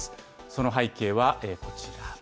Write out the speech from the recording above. その背景はこちら。